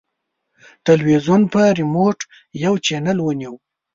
تلویزیون په ریموټ یو چینل ونیو.